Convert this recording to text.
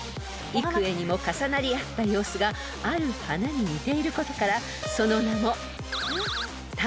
幾重にも重なり合った様子がある花に似ていることからその名も］